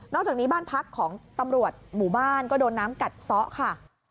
จากนี้บ้านพักของตำรวจหมู่บ้านก็โดนน้ำกัดซ้อค่ะ